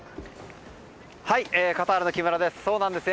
カタールの木村です。